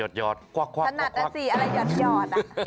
ถนัดอาสิอะไรหยอด